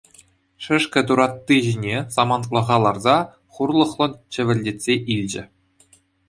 Шӗшкӗ туратти ҫине самантлӑха ларса хурлӑхлӑн чӗвӗлтетсе илчӗ.